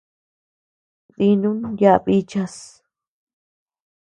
Dínu yaʼa bichas.